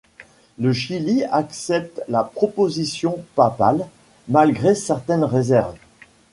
Le Chili accepte la proposition papale, malgré certaines réserves.